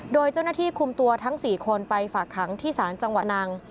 โดยเจ้าหน้าที่คุมตัวทั้ง๔คนไปฝากขังที่ศาลจังหวัดนัง